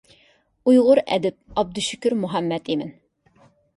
ئۇيغۇر ئەدىب ئابدۇشۈكۈر مۇھەممەتئىمىن.